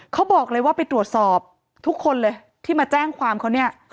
เขาบอกเลยว่าไปตรวจสอบทุกคนเลยที่มาแจ้งความเขาเนี่ย